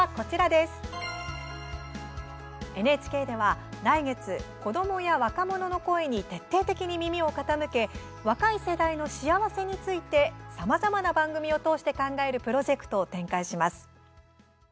ＮＨＫでは来月子どもや若者の声に徹底的に耳を傾け若い世代の幸せについてさまざまな番組を通して考えるプロジェクトを展開します。